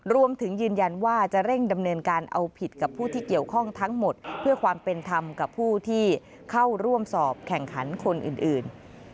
รวมถึงยืนยันว่าจะเร่งดำเนินการเอาผิดกับผู้ที่เกี่ยวข้องทั้งหมดเพื่อความเป็นธรรมกับผู้ที่เข้าร่วมสอบแข่งขันคนอื่น